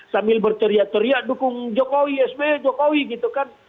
sambil berteriak teriak dukung jokowi sby jokowi gitu kan